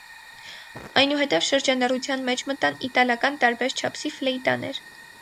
Այնուհետև շրջանառության մեջ մտան իտալական տարբեր չափսի ֆլեյտաներ։